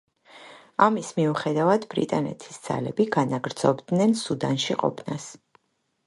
ამის მიუხედავად ბრიტანეთის ძალები განაგრძობდნენ სუდანში ყოფნას.